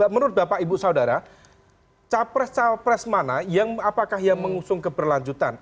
menurut bapak ibu saudara capres capres mana yang apakah yang mengusung keberlanjutan